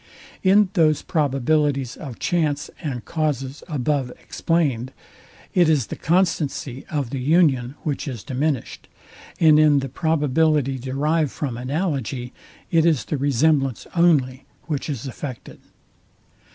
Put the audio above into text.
In those probabilities of chance and causes above explained, it is the constancy of the union, which is diminished; and in the probability derived from analogy, it is the resemblance only, which is affected.